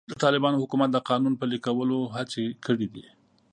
د طالبانو حکومت د قانون پلي کولو هڅې کړې دي.